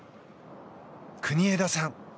国枝さん。